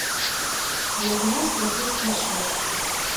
Але ж у нас працэс пайшоў.